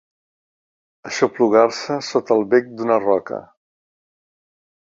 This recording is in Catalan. Aixoplugar-se sota el bec d'una roca.